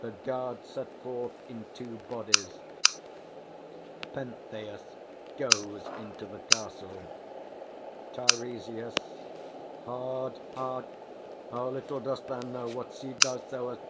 [The guards set forth in two bodies; PENTHEUS goes into the Castle. TEIRESIAS. Hard heart, how little dost thou know what seed Thou sowest!